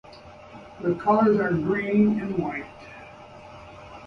Their colors are green and white.